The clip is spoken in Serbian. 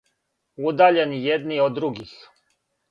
Удаљени једни од других.